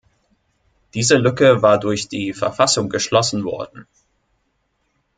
Diese Lücke war durch die Verfassung geschlossen worden.